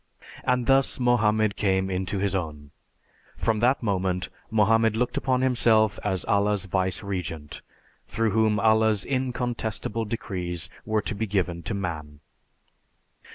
And thus Mohammed came into his own. From that moment Mohammed looked upon himself as Allah's vice regent, through whom Allah's incontestable decrees were to be given to man."